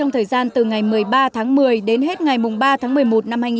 tháng một mươi một năm hai nghìn một mươi tám